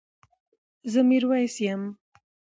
زه ميرويس يم